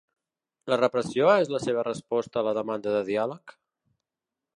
La repressió és la seva resposta a la demanda de diàleg?